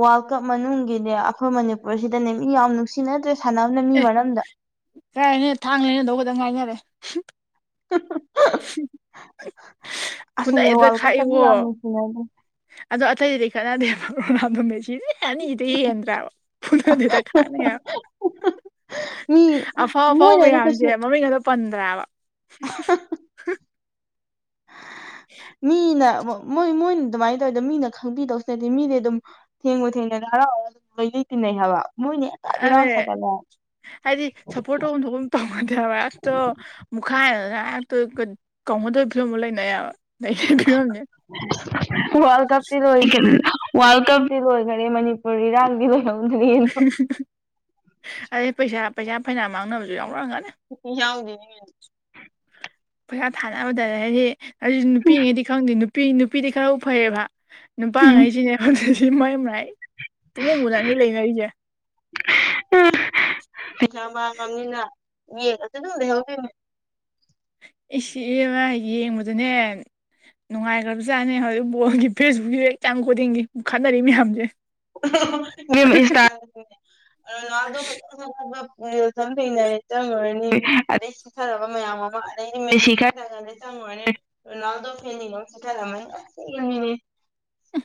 world cup ꯃꯅꯨꯡꯒꯤꯅꯦ ꯑꯩꯈꯣꯏ ꯃꯅꯤꯄꯨꯔꯁꯤꯗꯅꯦ ꯃꯤ ꯌꯥꯝ ꯅꯨꯡꯁꯤ ꯁꯤ ꯅꯠꯇ꯭ꯔꯦ ꯁꯥꯟꯅꯕꯅ ꯃꯤ ꯑꯦ ꯃꯔꯝꯗ ꯀꯥꯏꯅꯦ ꯊꯥꯡꯅꯦꯅꯗꯧꯕꯛꯇꯪ ꯉꯥꯏꯅꯔꯦ ꯑꯁꯤ ꯐꯨꯅꯩꯗ ꯋꯥꯔꯜ ꯀꯞꯇꯗꯤ ꯈꯥꯛꯏꯀꯣ ꯌꯥꯝ ꯅꯨꯡꯁꯤꯅꯗ ꯑꯗꯣ ꯑꯇꯩꯗꯤ ꯀꯅꯥꯗꯦ ꯃꯔꯣꯝꯃꯦ ꯁꯤꯗꯤ ꯑꯅꯤꯗꯨ ꯌꯦꯟꯗ꯭ꯔꯕ ꯐꯨꯅꯗ‌ꯩꯗ ꯈꯥꯛꯑꯦꯕ ꯃꯤ ꯑꯐꯥꯎ ꯑꯐꯥꯎ ꯃꯣꯏꯅꯗꯤ ꯃꯌꯥꯝꯁꯦ ꯀꯩꯁꯨ ꯃꯃꯤꯡ ꯈꯛꯇ ꯄꯟꯗ꯭ꯔꯦꯕ ꯃꯤꯅ ꯃꯣꯏ ꯃꯣꯏꯅ ꯑꯗꯨꯃꯥꯏꯅ ꯇꯧꯋꯤꯗ ꯃꯤꯅ ꯈꯪꯕꯤꯗꯧꯁꯨ ꯅꯠꯇꯦ ꯃꯤꯗꯤ ꯑꯗꯨꯝ ꯊꯦꯡꯉ ꯊꯦꯡꯅꯅ ꯍꯔꯥꯎꯒ ꯑꯗꯨꯝ ꯂꯣꯏ ꯂꯩ ꯇꯤꯟꯅꯩ ꯍꯥꯏꯕ ꯃꯣꯏꯅꯦ ꯑꯗꯨꯅꯤ ꯍꯥꯏꯗꯤ ꯁꯞꯄꯣꯔꯠ ꯇꯧꯐꯝ ꯊꯣꯛꯐꯝ ꯇꯧꯅꯗꯦꯕ ꯍꯦꯛꯇꯥ ꯃꯨꯈꯥꯏ ꯉꯥꯏꯥꯛꯇ ꯀꯧꯅꯗꯕ ꯐꯤꯕꯝ ꯑꯃ ꯂꯩꯅꯩꯑꯕ ꯋꯥꯔꯜ ꯀꯞ ꯇꯔ ꯍ ꯈ ꯋꯥꯔꯜ ꯀꯞꯇꯤ ꯂꯣꯏꯈꯔꯦ ꯃꯅꯤꯄꯨꯔ ꯏꯔꯥꯡꯗꯤ ꯂ ꯂꯧꯗꯔ꯭ꯤ ꯑꯗꯩ ꯄꯩꯁꯥ ꯄꯩꯁꯥ ꯐꯩꯅꯥꯌꯝ ꯃꯥꯡꯅꯕꯁꯨ ꯌꯥꯎꯔꯛꯑꯒꯅꯤ ꯌꯥꯎꯗ ꯄꯩꯁꯥ ꯊꯥꯅꯕꯗ ꯍꯥꯏꯗꯤ ꯑꯗꯨꯗꯤ ꯅꯨꯄꯤꯉꯩꯗꯤ ꯈꯪꯗꯦ ꯅꯨꯄꯤ ꯅꯨꯄꯤꯗꯤ ꯈꯔ ꯐꯩꯌꯦꯕ ꯀꯩꯅꯣ ꯅꯨꯄꯥꯉꯩꯁꯤꯅꯦ ꯍꯧꯗꯛ ꯁꯤ ꯃꯥꯏ ꯃꯥꯏ ꯄꯨꯡꯕꯨꯗ ꯑꯅꯤ ꯂꯩꯅꯔꯤꯁꯦ ꯎ ꯄꯩꯁꯥ ꯃꯥꯡꯉꯕꯅꯤꯅ ꯌꯦ ꯑꯗꯨ ꯑꯗꯨꯝ ꯂꯩꯍꯤ ꯏꯁ ꯑꯦ ꯃꯥ ꯌꯦꯡꯕꯗꯨꯅꯦ ꯅꯨꯡꯉꯥꯏꯈ꯭ꯔꯕꯖꯥꯠꯅꯦ ꯍꯧꯖꯤꯛ ꯕꯣꯜꯒꯤ ꯐꯦꯁꯕꯨꯛ ꯁꯤꯗ ꯆꯪꯕꯈꯨꯗꯤꯡꯒꯤ ꯈꯠꯟꯅꯔꯤ ꯃꯌꯥꯝꯁꯦ ꯏꯕꯦꯝꯃꯥ ꯏꯟꯁꯇ ꯀꯩ ꯀꯩꯗꯅꯦ ꯇꯣꯅꯥꯜꯗꯣ ꯔꯤꯜꯁ ꯊꯦꯡꯅꯔꯦ ꯆꯪꯉꯨꯔꯅꯤ ꯑꯗꯩ ꯆꯠꯊꯔꯕ ꯃꯌꯥꯝ ꯑꯃ ꯑꯗꯩꯗꯤ ꯃꯦꯁꯤ ꯈꯔꯒꯂꯦ ꯆꯪꯉꯨꯔꯅꯤ ꯔꫭꯅꯥꯜꯗꫭ ꯐꯦꯜꯅꯤꯅ ꯁꯤꯊꯥꯔꯝꯃꯅꯤ ꯄꯦꯂꯕꯅꯤꯅꯦ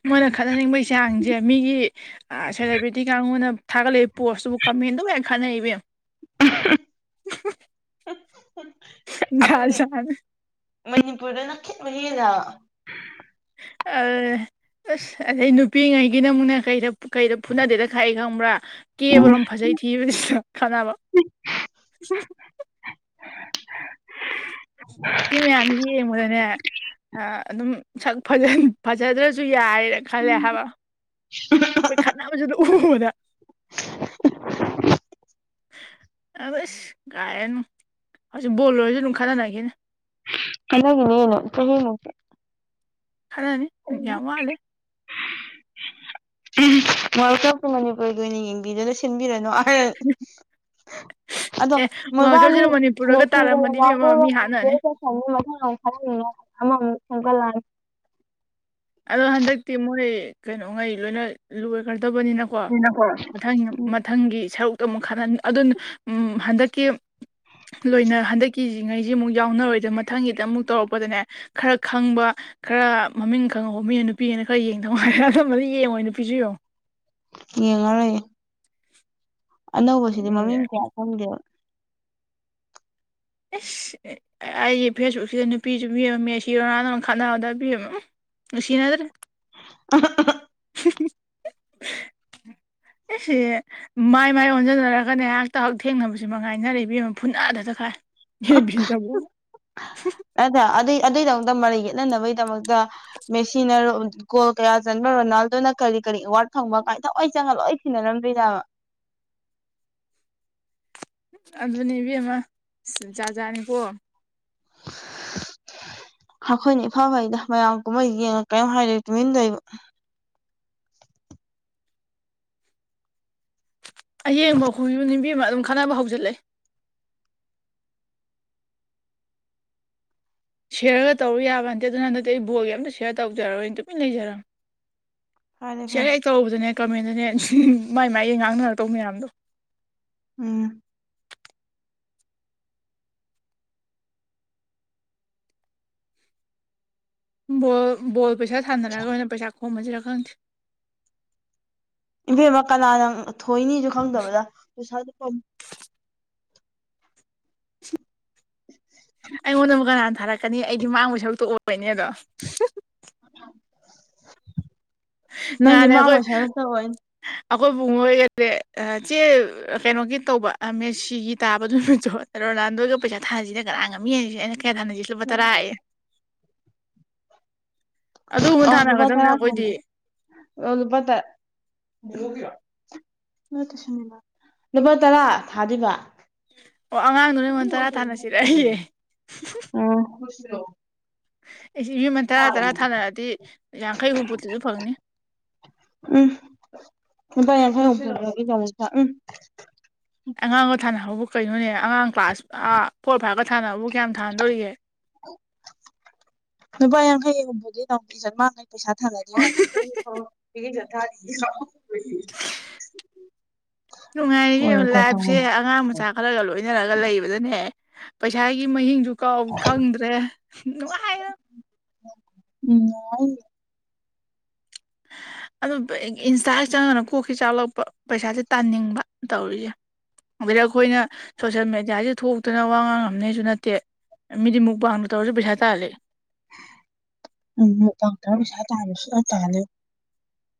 ꯃꯣꯏꯅ ꯈꯠꯅꯅꯤꯡꯕꯒꯤ ꯆꯥꯡꯁꯦ ꯃꯤꯒꯤ ꯁꯦꯂꯦꯕ꯭ꯔꯤꯇꯤ ꯀꯥꯡꯕꯨꯅ ꯊꯥꯒꯠꯂꯛꯏꯕ ꯄꯣꯁꯇꯨꯕꯨ ꯀꯃꯦꯟꯗꯨꯕꯨ ꯍꯦꯛ ꯈꯠꯅꯩ ꯏꯕꯦꯝꯃꯥ ꯖꯥꯠ ꯑꯩꯈꯣꯏ ꯖꯥꯠꯅꯦ ꯃꯅꯤꯄꯨꯔꯗꯅ ꯈꯤꯠ ꯃꯍꯦꯜꯂꯦ ꯍꯥꯏꯕ ꯑ ꯑꯁ ꯑꯗꯩ ꯅꯨꯄꯤꯉꯩꯒꯤꯅ ꯑꯃꯨꯛꯅ ꯀꯩꯗ ꯀꯩꯗ ꯐꯨꯅꯗꯦꯗ ꯈꯥꯛꯏ ꯈꯪꯕ꯭ꯔꯥ ꯀꯦꯕꯔꯣ ꯐꯖꯩ ꯊꯤꯕꯅꯤ ꯈꯥꯟꯅꯕ ꯁꯤ ꯃꯌꯥꯝꯁꯦ ꯌꯦꯡꯕꯗꯅꯦ ꯑꯗꯨꯝ ꯁꯛ ꯐꯖꯗ꯭ꯔꯁꯨ ꯌꯥꯏꯅ ꯈꯜꯂꯦ ꯍꯥꯏꯕ ꯑ [unintelligible] ꯃꯣꯏ ꯈꯠꯅꯕꯁꯨꯗ [unintelligible] ꯎꯕꯗ [unintelligible] ꯑꯁ ꯀꯥꯏꯗꯩꯅꯣ ꯍꯧꯖꯤꯛ ꯕꯣꯜ ꯑꯣꯏꯔꯁꯨ ꯑꯗꯨꯝ ꯈꯠꯅꯅꯒꯤꯅꯤ ꯍꯅꯦꯅ ꯍꯉ꯭ꯔ [unintelligible] ꯈꯠꯅꯅꯤ ꯌꯥꯝ ꯋꯥꯠꯂꯤ ꯋꯥꯂꯀꯞꯄꯨ ꯃꯅꯤꯄꯨꯔꯒꯤ ꯑꯣꯏꯅ ꯌꯦꯡꯕꯤꯗꯅ ꯁꯤ ꯁꯤꯟꯕꯤꯔꯅꯣ ꯑꯗꯣ ꯑꯦ ꯋꯥꯔꯜ ꯃꫭꯏꯕꯥꯅꯤ ꯀꯞꯁꯤꯅ ꯃꯅꯤꯄꯨꯔꯒ ꯃꯦꯁꯤꯒ ꯇꯥꯔꯝꯃꯗꯤ ꯏꯕꯦꯝꯃ ꯃꯤ ꯍꯥꯠꯅꯅꯤ ꯔꫭꯅꯥꯜꯗꫭꯒꯥ [unintelligible] [unintelligible] ꯑꯗꯣ ꯍꯟꯗꯛꯇꯤ ꯃꯣꯏ ꯀꯩꯅꯣꯉꯩ ꯂꯣꯏꯅ ꯂꯣꯏꯈ꯭ꯔꯗꯕꯅꯤꯅ ꯀꯣ ꯃꯊꯪ ꯃꯊꯪꯒꯤ ꯁꯔꯨꯛꯇꯣ ꯑꯃꯨꯛ ꯈꯍꯟ ꯑꯗꯨꯅ ꯍꯟꯗꯛꯀꯤ ꯂꯣꯏꯅ ꯍꯟꯗꯛꯀꯤꯁꯤꯉꯩꯁꯤ ꯑꯃꯨꯛ ꯌꯥꯎꯅꯔꯣꯏꯗꯕ ꯃꯊꯪꯒꯤꯗ ꯑꯃꯨꯛ ꯇꯧꯔꯛꯄꯗꯅꯦ ꯈꯔ ꯈꯪꯕ ꯈꯔ ꯃꯃꯤꯡ ꯀꯪꯉꯧꯕ ꯃꯤꯅ ꯅꯨꯄꯤꯒꯤꯅ ꯈꯔ ꯌꯦꯡꯗꯧꯉꯣꯏꯔꯦ ꯑꯅꯝꯕꯅ ꯌꯦꯡꯉꯣꯏ ꯅꯨꯄꯤꯁꯨ ꯌꯦꯡꯉꫭ ꯌꯦꯡꯉꯔꫭꯏꯌꯦ ꯑꯅꯧꯕꯁꯤꯗꯤ ꯎꯝ ꯃꯃꯤꯡ ꯀꯌꯥ ꯈꯪꯗꯦꯕ ꯑꯦꯁ ꯑꯩꯒꯤ ꯐꯦꯁꯕꯨꯛꯁꯤꯗ ꯅꯨꯄꯤꯁꯨ [unintelligible] ꯃꯦꯁꯤ ꯔꯣꯅꯜꯂꯣ ꯈꯠꯅꯕꯗ ꯐꯤꯕꯝ ꯑꯃ ꯅꯨꯁꯤꯅꯗꯔꯦ ꯑꯥꯍꯥ ꯑꯥꯍꯥ [inaudible] [inaudible] ꯑꯦꯁꯦ ꯃꯥꯏ ꯃꯥꯏ ꯑꯣꯟꯁꯤꯟꯅꯔꯒꯅꯦ ꯑꯩꯍꯥꯛꯇ ꯍꯥꯛ ꯊꯦꯡꯅꯕꯁꯤ ꯃꯉꯥꯏꯔꯦꯗ ꯏꯕꯦꯝꯃꯥ ꯑꯃ ꯐꯨꯠꯅꯥꯗꯇ ꯈꯥꯏ ꯑꯦꯞ ꯕꯤ ꯗꯕꯨ ꯅꯗꯨꯗꯣ ꯑꯗꯨꯏ ꯑꯗꯨꯏꯗꯃꯛꯇ ꯃꯔꯩ ꯌꯦꯠꯅꯅꯕꯒꯤꯗꯃꯛꯇ ꯃꯦꯁꯤꯅ ꯒꯣꯜ ꯀꯌꯥ ꯆꯟꯕ ꯔꯣꯅꯥꯜꯗꯣꯅ ꯀꯔꯤ ꯀꯔꯤ ꯑꯦꯋꯥꯔꯗ ꯐꯪꯕ ꯀꯥꯏ ꯊꯑꯣꯏ ꯆꯪꯉꯜꯂꯣꯏ ꯁꯤꯟꯅꯔꯝꯗꯣꯏꯅꯦꯕ ꯑꯗꯨꯅꯦ ꯏꯕꯦꯝꯃ ꯖꯖꯥꯠꯅꯤꯀꯣ ꯑꯩꯈꯣꯏꯅ ꯏꯐ ꯐꯩꯗ ꯃꯌꯥꯝ ꯀꯨꯝꯍꯩ ꯌꯦꯡꯉ ꯀꯔꯤꯝ ꯍꯥꯏꯔ ꯇꯨꯃꯤꯟꯗꯣꯏꯕ ꯑꯌꯦꯡꯕ ꯑꯈꯣꯏꯁꯨꯅꯤ ꯏꯕꯦꯃ ꯑꯗꯨꯝ ꯈꯥꯟꯅꯕ ꯍꯧꯖꯤꯜꯂꯦ ꯁꯤꯌꯔꯒ ꯇꯧꯔꯨ ꯌꯥꯕ ꯅꯗꯦ ꯑꯗꯨꯅ ꯍꯟꯗꯛꯇ ꯑꯩ ꯕꯣꯒ ꯑꯝꯇ ꯁꯦꯌꯔ ꯇꯧꯖꯔꯣꯏ ꯇꯨꯃꯤ ꯂꯩꯖꯔꯝ ꯐꯔꯦ ꯐꯔꯦ ꯁꯤꯌꯥꯔ ꯍꯦꯛ ꯇꯧꯔꯨꯕꯗꯅꯦ ꯀꯃꯦꯟꯗꯅꯦ [unintelligible] ꯃꯥꯏ ꯃꯥꯏꯌꯦ ꯉꯥꯡꯅꯔꯛꯇꯧ ꯃꯌꯥꯝꯗꯣ ꯎꯝ ꯕꯣꯜ ꯕꯣꯜ ꯄꯩꯁꯥꯟꯅꯔꯒ ꯑꯣꯏꯅ ꯄꯩꯁꯥ ꯈꯣꯝꯃꯁꯤꯔꯥ ꯈꯪꯗꯦ ꯏꯕꯦꯝꯃ ꯀꯅꯥꯅ ꯊꯣꯏꯅꯤꯁꯨ ꯈꯪꯗꯕꯗ ꯄꯩꯁꯥꯗꯨ ꯑꯩꯉꯣꯟꯗ ꯑꯃꯨꯛ ꯀꯅꯥꯅ ꯊꯥꯔꯛꯀꯅꯤ ꯑꯩꯗꯤ ꯃꯥꯡꯕ ꯁꯔꯨꯛꯇꯨ ꯑꯣꯏꯕꯅꯦ ꯑꯗꯣ ꯅꯪꯗꯤ ꯌꯥꯔꯦ ꯑꯈꯣꯏ ꯃꯥꯡꯉꯣꯏ ꯁꯔꯨꯛ ꯇꯧꯑꯣꯏ ꯑꯩꯈꯣꯏꯕꯨꯨꯡꯑꯣ ꯍꯣꯏꯒꯗ꯭ꯔꯦ ꯆꯦ ꯀꯩꯅꯣꯒꯤ ꯇꯧꯕ ꯃꯦꯁꯤꯒꯤ ꯇꯥꯕꯗꯨꯃꯤ ꯔꯣꯅꯥꯜꯗꯣꯒ ꯄꯩꯁꯥ ꯊꯥꯅꯁꯤꯅ ꯀꯅꯥ ꯉꯝꯃꯤꯁꯤ ꯑꯩꯅ ꯀꯌꯥ ꯊꯥꯅꯁꯤ ꯂꯨꯄꯥ ꯇꯔꯥ ꯍꯥꯏ ꯑꯗꯨꯒꯨꯝꯕ ꯑꯣ ꯑꯗꯨꯕ ꯊꯥꯅꯒꯗꯕꯅꯦ ꯇꯔꯥ ꯑꯩꯈꯣꯏꯗꯤ ꯊꯅ [unintelligible] [unintelligible] ꯂꯨꯄꯥ ꯇꯔꯥ ꯊꯥꯗꯨꯏꯕ ꯑꯣ ꯑꯉꯥꯡꯗꯣꯅ ꯑꯩꯉꯣꯟ ꯇꯔꯥ ꯊꯥꯅꯁꯤꯔꯦ ꯑꯩꯌꯦ ꯑꯣ ꯑꯩꯁ ꯌꯨꯝꯃꯟ ꯇꯔꯥ ꯇꯔꯥ ꯊꯥꯅꯔꯑꯗꯤ ꯌꯥꯡꯈꯩ ꯍꯨꯝꯐꯨꯇꯁꯨ ꯐꯪꯅꯤ ꯎꯝ ꯂꯨꯄꯥ ꯌꯥꯡꯈꯩ ꯍꯨꯝꯐꯨꯒꯤ ꯗꯃꯛꯇ ꯎꯝ ꯑꯉꯥꯡꯒ ꯊꯥꯅꯍꯧꯕꯨ ꯀꯩꯅꯣꯅꯦ ꯑꯉꯥꯡ ꯀ꯭ꯂꯥꯁ ꯐꯣꯔ ꯐꯥꯏꯚꯀ ꯊꯥꯅꯕꯕꯨ ꯀꯌꯥꯝ ꯊꯥꯅꯗꯣꯔꯤꯒꯦ ꯂꯨꯄꯥ ꯌꯥꯡꯈꯩ ꯍꯨꯝꯐꯨ [unintelligible] ꯄꯩꯁꯥ ꯊꯥꯅꯗꯣꯏꯔ [unintelligible] ꯅꯨꯡꯉꯥꯏꯔꯤ ꯌꯣ ꯂꯥꯏꯕꯁꯦ ꯑꯉꯥꯡ ꯃꯆꯥꯛ ꯈꯜꯂꯒ ꯂꯣꯏꯅꯔꯒ ꯂꯩꯕꯗꯅꯦ ꯄꯩꯁꯥꯒꯤ ꯃꯍꯤꯡꯁꯨ ꯀꯥꯎ ꯈꯪꯗ꯭ꯔꯦ ꯅꯨꯡꯉꯥꯏꯔ ꯎꯝ [unintelligible] ꯑꯗꯨ ꯗꯨꯌꯦꯛ ꯏꯟꯁꯇꯥꯁꯤ ꯆꯪꯉꯅ ꯀꯣꯛꯁꯤ ꯆꯥꯎꯥꯛꯂꯛꯄ ꯄꯩꯁꯥꯁꯦ ꯇꯥꯅꯤꯡꯕ ꯇꯧꯔꯤꯁꯦ [unintelligible] ꯑꯩꯈꯣꯏꯅ ꯁꯣꯁꯦꯜ ꯃꯦꯗꯤꯌꯥꯁꯤ ꯊꯣꯛꯇꯅ ꯋꯥ ꯉꯥꯡ ꯉꯝꯅꯩꯁꯨ ꯅꯠꯇꯦ ꯃꯤꯗꯤ ꯃꯨꯛꯕꯥꯡꯕꯨ ꯇꯧꯔꯁꯨ ꯄꯩꯁꯥ ꯇꯜꯂꯦ [unintelligible]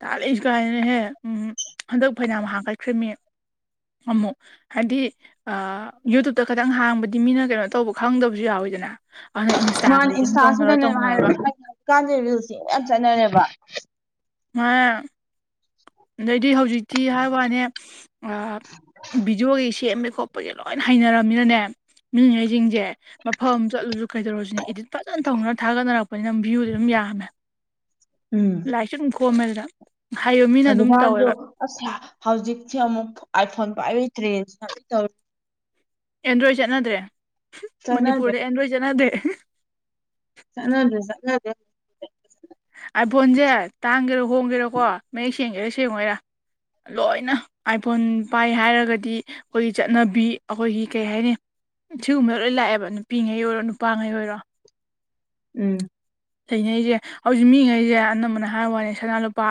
[unintelligible] ꯀꯥꯏꯗꯅꯍꯦ ꯎꯝ ꯍꯟꯗꯛ ꯐꯅꯝ ꯍꯥꯥꯡꯀꯠꯈ꯭ꯔꯃꯤ ꯑꯃꯨꯛ ꯍꯥꯏꯗꯤ ꯑꯥ ꯌꯨꯇꯨꯕꯇ ꯈꯇꯪ ꯍꯥꯡꯕꯗꯤ ꯃꯤꯅ ꯀꯩꯅꯣ ꯇꯧꯕ ꯈꯪꯗꯕꯁꯨ ꯌꯥꯎꯋꯤꯗꯅ ꯃꯅꯥ ꯏꯟꯁꯇꯥꯒ ꯂꯤꯡ ꯇꯧꯅꯔ ꯇꯧꯅꯔꯒ ꯀꯥꯟꯗꯦ ꯔꯤꯜꯁꯤꯡ ꯌꯥꯝ ꯆꯠꯅꯔꯦꯕ ꯃꯥ ꯑꯗꯩꯗꯤ ꯍꯧꯖꯤꯛꯇꯤ ꯍꯥꯏ ꯋꯥꯅꯦ ꯑꯥ ꯚꯤꯗꯤꯑꯣꯒꯤ ꯁꯦꯝꯕ ꯈꯣꯠꯄꯒꯤ ꯂꯣꯏꯅ ꯍꯩꯅꯔꯕꯃꯤꯅꯅꯦ ꯃꯤꯉꯩꯁꯤꯡꯁꯦ ꯃꯐꯝ ꯆꯠꯂꯨꯁꯨ ꯀꯩꯗꯧꯔꯨꯁꯤꯅꯦ ꯏꯗꯤꯠ ꯐꯖꯅ ꯊꯧꯅ ꯊꯥꯒꯠꯅꯔꯛꯄꯅꯤꯅꯝ ꯚ꯭ꯌꯨꯗꯤ ꯑꯗꯨꯝ ꯌꯥꯝꯃꯦ ꯎꯝ ꯂꯥꯏꯛꯁꯨ ꯑꯗꯨꯝ ꯀꯣꯝꯃꯦꯗ ꯍꯥꯏꯌꯨꯝ ꯍꯧꯖꯤꯛꯀꯟꯁꯨ ꯑꯁ ꯍꯧꯖꯤꯛꯇꯤ ꯑꯃꯨꯛ ꯑꯥꯏꯐꯣꯟ ꯄꯥꯏꯕꯩꯇ꯭ꯔꯦꯟ [unintelligible] ꯑꯦꯟꯗ꯭ꯔꯣꯏ ꯆꯠꯅꯗ꯭ꯔꯦ ꯆꯠꯅꯗ꯭ꯔꯦ ꯃꯅꯤꯄꯨꯔꯗ ꯑꯦꯟꯗ꯭ꯔꯣꯏ ꯆꯠꯅꯗꯦ ꯆꯠꯅꯗ꯭ꯔꯦ ꯆꯠꯅꯗꯦ ꯑꯥꯏ ꯐꯣꯟꯁꯦ ꯇꯥꯡꯒꯦꯔ ꯍꯣꯡꯒꯦꯔꯀꯣ ꯃꯌꯦꯛ ꯁꯦꯡꯒꯦꯔꯥ ꯁꯦꯡꯉꯣꯏꯔꯥ ꯂꯣꯏꯅ ꯑꯥꯏꯐꯣꯟ ꯄꯥꯏ ꯍꯥꯏꯔꯒꯗꯤ ꯑꯩꯈꯣꯏꯒꯤ ꯆꯠꯅꯕꯤ ꯑꯩꯈꯣꯏꯒꯤ ꯀꯩ ꯍꯥꯏꯅꯤ ꯁꯤꯒꯨꯝꯕ ꯂꯣꯏ ꯂꯥꯛꯑꯦꯕ ꯅꯨꯄꯤꯉꯩ ꯑꯣꯏꯔꯣ ꯅꯨꯄꯥꯉꯩ ꯑꯣꯏꯔꯣ ꯎꯝ ꯂꯩꯅꯩꯁꯦ ꯍꯧꯖꯤꯛ ꯃꯤꯉꯩꯁꯦ ꯑꯅꯝꯕꯅ ꯍꯥꯏꯕ ꯋꯥꯅꯤ ꯁꯅꯥ ꯂꯨꯄꯥ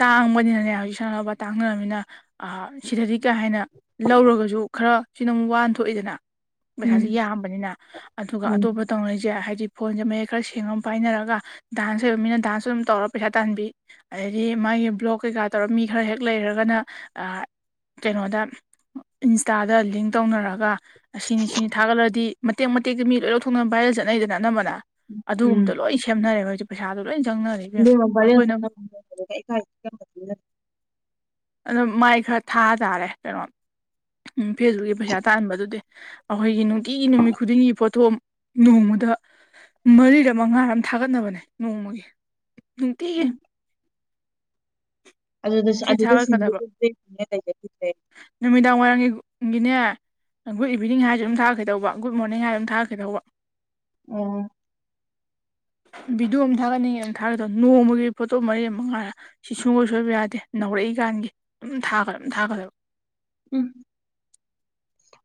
ꯇꯥꯡꯕꯅꯤꯅꯅꯦ ꯍꯧꯖꯤꯛ ꯁꯥꯟꯅꯕ ꯇꯥꯡꯅꯔꯃꯤꯅꯤꯅ ꯑ ꯁꯤꯗꯗꯤ ꯀꯩ ꯍꯥꯏꯅ ꯂꯧꯔꯒꯁꯨ ꯈꯔ ꯁꯤꯅ ꯑꯃꯨꯛ ꯋꯥꯟ ꯊꯣꯛꯑꯦꯗꯅ ꯎꯝ ꯄꯩꯁꯥꯁꯦ ꯌꯥꯝꯕꯅꯤꯅ ꯑꯗꯨꯒ ꯎꯝ ꯑꯇꯣꯞꯄ ꯇꯧꯅꯔꯤꯁꯦ ꯍꯥꯏꯗꯤ ꯐꯣꯟꯁꯦ ꯃꯌꯦꯛ ꯈꯔ ꯁꯦꯡꯉ ꯄꯥꯏꯅꯔꯒ ꯗꯥꯟꯁ ꯂꯩꯕ ꯃꯤꯅ ꯗꯥꯟꯁꯁꯨ ꯑꯗꯨꯝ ꯇꯧꯔ ꯄꯩꯁꯥ ꯇꯥꯟꯕꯤ ꯑꯗꯩꯗꯤ ꯃꯥꯒꯤ ꯕ꯭ꯂꯣꯛ ꯀꯩꯀꯥ ꯇꯧꯔꯒ ꯃꯤ ꯈꯔ ꯍꯦꯛ ꯂꯩꯈꯔꯒꯅ ꯀꯩꯅꯣꯗ ꯏꯟꯁꯇꯥꯗ ꯂꯤꯡ ꯇꯧꯅꯔꯒ ꯑꯁꯤꯅꯤ ꯁꯤꯅꯤ ꯊꯥꯒꯠꯂꯗꯤ ꯃꯇꯦꯛ ꯃꯇꯦꯛꯇ ꯃꯤ ꯂꯣꯏ ꯂꯧꯊꯣꯛꯅꯅꯕ ꯚꯥꯏꯔꯦꯜ ꯆꯠꯅꯩꯗꯅ ꯑꯅꯝꯕꯅ ꯎꯝ ꯑꯗꯨꯒꯨꯝꯕ ꯂꯣꯏ ꯁꯦꯝꯅꯔꯦꯕ ꯍꯧꯖꯤꯛ ꯄꯩꯁꯥꯗꯨ ꯂꯣꯏ ꯆꯪꯅꯔꯦ ꯏꯕꯦꯝꯃ ꯑꯗꯨꯒ ꯚꯥꯏꯔꯥꯜ ꯑꯩꯈꯣꯏꯅ [inaudible] ꯑꯦꯀꯥꯏ ꯈꯪꯗꯕꯅꯤꯅ ꯑꯣ ꯃꯥꯏ ꯈꯔ ꯊꯥꯇꯥꯥꯔꯦ ꯀꯩꯅꯣ ꯎꯝ ꯐꯦꯁꯕꯨꯛꯀꯤ ꯄꯩꯁꯥ ꯇꯥꯍꯟꯕꯗꯨꯗꯤ ꯑꯩꯈꯣꯏꯒꯤ ꯅꯨꯡꯇꯤꯒꯤ ꯅꯨꯃꯤꯠ ꯈꯨꯗꯤꯡꯒꯤ ꯄꯣꯠꯊꯣꯛ ꯅꯣꯡꯃꯗ ꯃꯔꯤꯗ ꯃꯉꯥꯔ ꯑꯃꯝ ꯊꯥꯒꯠꯅꯕꯅꯦ ꯅꯣꯡꯃꯒꯤ ꯅꯨꯡꯇꯤꯒꯤ ꯎꯝ ꯑꯗꯨꯁꯨ ꯑꯗꯨ ꯐꯗꯕꯣ ꯅꯨꯃꯤꯗꯥꯡ ꯋꯥꯏꯔꯝꯒꯤ ꯒꯤꯅꯦ ꯒꯨꯗ ꯏꯕꯤꯅꯤꯡ ꯍꯥꯏꯁꯨ ꯑꯗꯨꯝ ꯊꯥꯛꯀꯦꯗꯧꯕ ꯒꯨꯗ ꯃꯣꯔꯅꯤꯡ ꯍꯥꯏ ꯑꯗꯨꯝ ꯊꯥꯔꯛꯀꯦ ꯇꯧꯕ ꯎꯝ ꯚꯗꯤꯑꯣ ꯑꯃ ꯊꯥꯒꯠꯅꯤꯡꯉꯦꯅ ꯊꯥꯒꯗꯣ ꯅꯣꯡꯃꯒꯤ ꯐꯣꯇꯣ ꯃꯔꯤ ꯑꯃ ꯃꯉꯥꯏꯔ ꯁꯤ ꯁꯨꯡꯒꯣꯏ ꯁꯣꯏꯕ ꯌꯥꯗꯦ ꯅꯧꯔꯛꯏꯀꯥꯟꯒꯤ ꯑꯗꯨꯝ ꯊꯥꯈ꯭ꯔꯦ ꯑꯗꯨꯝ ꯊꯥꯈꯠ꯭ꯔꯦꯕ ꯎꯝ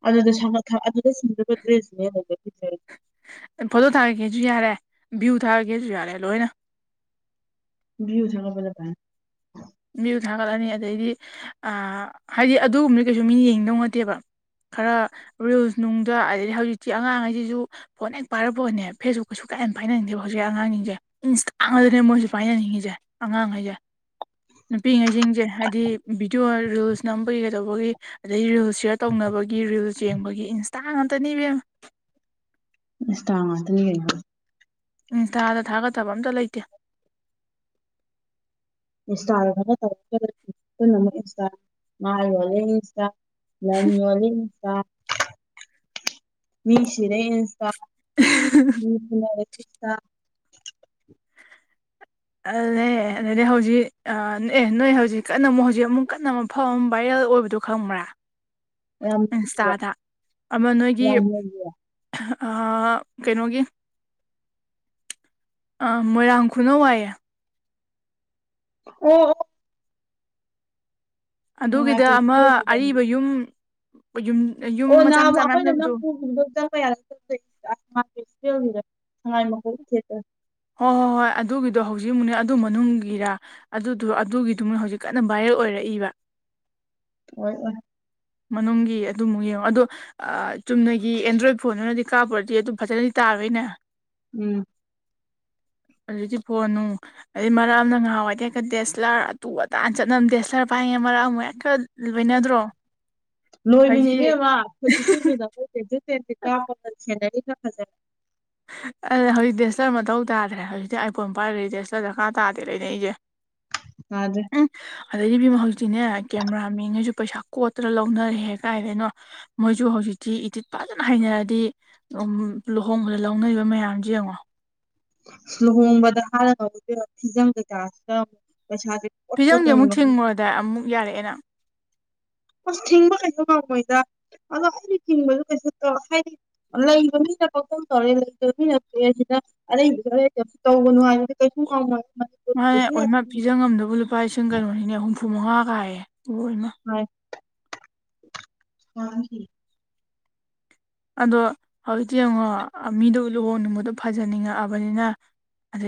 ꯑꯗꯨꯗ ꯑꯗꯨꯗ ꯁꯤꯁꯤꯡꯖꯕ ꯗ꯭ꯔꯦꯁꯅꯦ ꯄꯤꯖꯒꯦ ꯐꯣꯇꯣ ꯊꯥꯔꯒꯦꯁꯨ ꯌꯥꯔꯦ ꯚꯤꯌꯨ ꯊꯥꯔꯒꯦꯁꯨ ꯌꯥꯔꯦ ꯂꯣꯏꯅ ꯌꯨꯁꯥꯒꯕꯂ ꯄꯥꯏ ꯃꯤꯕꯨ ꯊꯥꯒꯠꯂꯅꯤ ꯑꯗꯩꯗꯤ ꯑ ꯍꯥꯏꯗꯤ ꯑꯗꯨꯒꯨꯝꯕꯅ ꯀꯩꯁꯨ ꯃꯤꯅ ꯌꯦꯡꯗꯧ ꯅꯠꯇꯦꯕ ꯈꯔ ꯔꯤꯜꯁ ꯅꯨꯡꯗ ꯑꯗꯩ ꯍꯧꯖꯤꯛꯇꯤ ꯑꯉꯥꯡꯉꯩꯁꯤꯁꯨ ꯐꯣꯟ ꯍꯦꯛ ꯄꯥꯏꯔꯛꯄꯑꯣꯅꯦ ꯐꯦꯁꯕꯨꯛꯀꯁꯨ ꯀꯌꯥꯝ ꯌꯥꯝꯅꯥꯏꯅꯅꯤꯡꯗꯕ ꯍꯧꯖꯤꯛ ꯑꯉꯥꯡꯁꯤꯡꯁꯦ ꯏꯟꯁꯇꯥꯗꯅꯦ ꯃꯣꯏꯁꯨꯦ ꯄꯥꯏꯖꯅꯤꯡꯉꯤꯁꯦ ꯑꯉꯥꯡꯈꯩꯁꯦ ꯅꯨꯄꯤꯉꯩꯁꯤꯡꯁꯦ ꯍꯥꯏꯗꯤ ꯕꯤꯤꯗꯤꯑꯣ ꯔꯤꯜꯁꯅꯝꯕꯒꯤ ꯀꯩꯗꯧꯕꯒꯤ ꯑꯗꯗꯒꯤ ꯔꯤꯜ ꯁꯤꯌꯔ ꯇꯧꯅꯕꯒꯤ ꯔꯤꯜ ꯌꯦꯡꯕꯒꯤ ꯏꯟꯁꯇꯥ ꯉꯥꯛꯝꯇꯅꯦꯕꯦꯝ ꯏꯟꯇꯥ ꯉꯥꯛꯇꯅꯤ ꯀꯩꯅꯣ ꯏꯟꯁꯇꯥꯗ ꯊꯥꯒꯠꯇꯕ ꯑꯝꯇ ꯂꯩꯇꯦ ꯏꯟꯁꯇꯥꯒ ꯈꯔ ꯇꯧꯔ ꯄꯅ ꯑꯃꯨꯛ ꯏꯟꯁꯇꯥ ꯃꯥꯥꯏꯔꯣꯜꯂꯦ ꯏꯟꯁꯇꯥ ꯂꯃꯤ ꯏꯟꯁꯥ ꯃꯤꯅꯤꯁꯤꯔ ꯏꯟꯁꯥꯥꯟ ꯎꯝꯍꯦ [unintelligible] ꯇꯜꯂꯦ ꯑꯦ ꯑꯗꯨꯗꯗꯤ ꯍꯧꯖꯤꯛ ꯑꯦ ꯅꯣꯏ ꯍꯧꯖꯤꯛ ꯀꯟꯅ ꯑꯃꯨꯛ ꯍꯧꯖꯤꯛ ꯑꯃꯨꯛ ꯀꯟꯅ ꯃꯐꯝ ꯑꯃ ꯚꯥꯏꯔꯦꯜ ꯑꯣꯏꯕꯗꯣ ꯈꯪꯕ꯭ꯔꯥ ꯌꯥꯝ ꯂꯩꯒ꯭ꯔꯦ ꯏꯟꯁꯇꯥꯗ ꯑꯃ ꯅꯣꯏꯒꯤ ꯌꯥꯝ ꯂꯩꯒ꯭ꯔꯦ ꯀꯩꯅꯣꯒꯤ ꯑ ꯃꯣꯏꯔꯥꯡ ꯈꯨꯅꯧ ꯋꯥꯏꯌꯦꯦ ꯎꯝ ꯎꯝ ꯁꯉꯥꯏ ꯑꯗꯨꯒꯤꯗ ꯑꯃ ꯐꯦꯁꯇꯤꯚꯦꯜ ꯍꯥꯏꯕꯅꯤ ꯑꯔꯤꯕ ꯌꯨꯝ ꯌꯨꯝ ꯃꯆꯥ ꯃꯆꯥ ꯃꯌꯥꯝ ꯂꯩꯕꯗꯣ ꯁꯉꯥꯏꯣꯛꯇ ꯍꯣꯏ-ꯍꯣꯏ -ꯍꯣꯏ ꯑꯗꯨꯒꯤꯗꯣ ꯍꯧꯖꯤꯛꯃꯨꯛꯅꯤ ꯑꯗꯨ ꯃꯅꯨꯡꯒꯤꯔ ꯑꯗꯨꯗꯨꯔꯣ ꯑꯗꯨꯒꯤꯗꯨꯃ ꯍꯧꯖꯤꯛ ꯀꯟꯅ ꯚꯥꯏꯔꯦꯜ ꯑꯣꯏꯔꯛꯏꯕ ꯑꯣꯏ ꯑꯣꯏ ꯃꯅꯨꯡꯒꯤ ꯑꯗꯨꯃꯨꯛ ꯌꯦꯡꯉꯣ ꯑꯗꯣ ꯆꯨꯝꯅꯒꯤ ꯑꯦꯟꯗ꯭ꯔꯣꯏꯗ ꯐꯣꯟꯗꯨꯅꯗꯤ ꯀꯥꯞꯄꯨꯔꯗꯤ ꯑꯗꯨ ꯐꯖꯅꯗꯤ ꯇꯥꯔꯣꯏꯅꯦ ꯎꯝ ꯍꯧꯖꯤꯛꯇꯤ ꯐꯣꯟꯅꯅꯨꯡ ꯑꯗꯩ ꯃꯔꯛꯅ ꯉꯍꯥꯋꯥꯏꯗꯤ ꯍꯦꯛꯀ ꯗꯦꯁꯂꯔ ꯑꯗꯨ ꯑꯗꯥꯥꯅ ꯆꯠꯅꯕꯅꯤ ꯗꯦꯁꯂꯔ ꯄꯥꯏꯉꯏ ꯃꯔꯛ ꯑꯃꯨꯛ ꯍꯦꯀꯇ ꯂꯣꯏꯅꯗ꯭ꯔꯣ ꯂꯣꯏꯕꯤꯅꯤ ꯍꯧꯖꯤꯛ ꯏꯅꯦꯝꯃꯥ ꯐꯨꯠ ꯏꯁꯨ ꯁꯨꯗꯥꯈꯩ ꯀꯥꯞꯄ ꯁꯦꯟꯅꯔꯤ ꯈꯔ ꯐꯖꯔꯦ ꯑ ꯍꯧꯖꯤꯛ ꯗꯦꯁꯇꯔ ꯃꯊꯧ ꯇꯥꯗ꯭ꯔꯦ ꯍꯧꯖꯤꯛꯇꯤ ꯑꯥꯏꯐꯣꯟ ꯄꯥꯏꯔꯗꯤ ꯗꯦꯁꯇꯔ ꯗꯔꯀꯥꯔ ꯇꯥꯔꯗꯦ ꯂꯩꯅꯩꯁꯦ ꯑꯗꯨꯅꯦ ꯎꯝ ꯑꯗꯩꯗꯤ ꯑꯣꯕꯦꯝꯃꯥ ꯍꯧꯖꯤꯛꯇꯤꯅꯦ ꯀꯦꯃꯦꯔꯥꯃꯦꯟꯒꯩꯁꯨ ꯄꯩꯁꯥ ꯀꯣꯠꯇꯅ ꯂꯧꯅꯔꯦ ꯀꯥꯏꯗꯅꯣ ꯃꯣꯏꯁꯨ ꯍꯧꯖꯤꯛꯇꯤ ꯏꯇꯤꯠ ꯐꯖꯅ ꯍꯩꯅꯔꯗꯤ ꯎꯝ ꯂꯨꯍꯣꯡ ꯂꯧꯅꯩꯕ ꯃꯌꯥꯝꯁꯦ ꯌꯦꯡꯉꯣ ꯂꯨꯍꯣꯡꯕꯗ ꯍꯥꯟꯔꯒ ꯏꯕꯦꯝꯃꯥ ꯐꯤꯖꯡ ꯀꯩꯀꯥꯁꯤꯗꯥ ꯄꯩꯁꯥꯥꯁꯦ ꯐꯤꯖꯪꯁꯦ ꯑꯃꯨꯛ ꯊꯤꯡꯉꯨꯔꯗꯥꯏ ꯑꯃꯨꯛ ꯌꯥꯔꯛꯑꯦꯅ ꯑꯁ ꯊꯤꯡꯕ ꯀꯩꯁꯨ ꯉꯝ ꯃꯣꯏꯗ ꯑꯗꯣ ꯑꯩꯅ ꯊꯤꯡꯕꯗ ꯀꯩꯁꯨ ꯇꯧ ꯍꯥꯏꯗꯤ ꯂꯩꯕꯃꯤꯅ ꯄꯡꯇꯧ ꯇꯧꯔꯦ ꯂꯩꯇꯕ ꯃꯤꯅ ꯇꯣꯛꯑꯦ ꯁꯤꯗ ꯑꯔꯩꯕꯥꯈꯔꯥ [unintelligible] ꯇꯧꯒꯅꯨ ꯍꯥꯏꯕꯗꯤ ꯀꯩꯁꯨ ꯉꯝꯃꯣꯏ ꯃꯥꯅꯦ ꯄꯨꯟꯁꯤ ꯑꯣꯏꯃꯥ ꯐꯤꯖꯡ ꯑꯝꯗꯕꯨ ꯂꯨꯄꯥ ꯂꯤꯁꯤꯡ ꯀꯩꯅꯣꯅꯤꯅꯦ ꯍꯨꯝꯐꯨ ꯃꯉꯥꯒꯥꯏꯌꯦ ꯍꯣꯏ ꯍ [unintelligible] ꯑꯗꯣ ꯍꯧꯖꯤꯛꯇꯤ ꯌꯦꯡꯉꯣ ꯃꯤꯗꯨ ꯂꯨꯍꯣꯡꯅꯤꯡꯕꯗꯣ ꯐꯖꯅꯤꯡꯉꯛꯑꯕꯅꯤꯅ